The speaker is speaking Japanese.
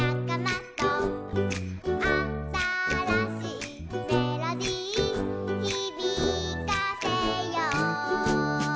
「あたらしいメロディひびかせよう」